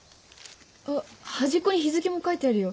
あっはじっこに日付も書いてあるよ。